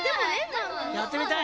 やってみたい？